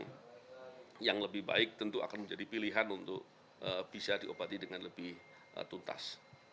kalau yang lebih baik tentu akan menjadi pilihan untuk bisa diobati dengan lebih tuntas